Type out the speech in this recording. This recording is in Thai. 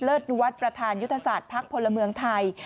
เลิศนุวัฒน์ประธานยุทธศาสตร์พรรคพลเมืองไทย